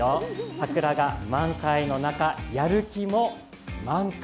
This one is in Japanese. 桜が満開の中、やる気も満開！